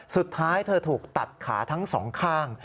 สุดท้ายเธอถูกตัดขาทั้งสองข้าง